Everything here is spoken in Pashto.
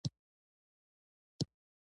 دا قافله نه وه او یو لوی لښکر وو.